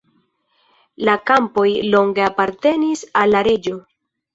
La kampoj longe apartenis al la reĝo.